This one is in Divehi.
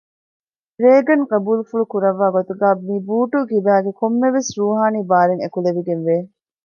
ރޭގަން ޤަބޫލު ފުޅު ކުރައްވާ ގޮތުގައި މި ބޫޓު ކިބައިގައި ކޮންމެވެސް ރޫޙާނީ ބާރެއް އެކުލެވިގެން ވެ